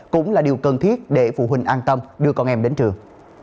cũng là điều cần thiết để phụ huynh an tâm đưa con em đến trường